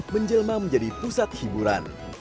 menjelma menjadi pusat hiburan